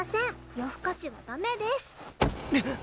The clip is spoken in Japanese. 夜更かしはダメです。